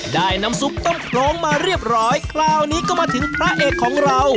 ได้น้ำซุปต้มโครงมาเรียบร้อยคราวนี้ก็มาถึงพระเอกของเรา